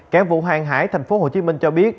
các vụ hàng hải tp hcm cho biết